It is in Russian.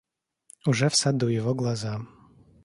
Уже в саду его глаза.